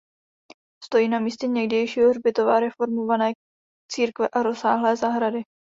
Stojí na místě někdejšího hřbitova reformované církve a rozsáhlé zahrady.